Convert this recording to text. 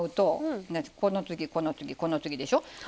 この次この次この次でしょ。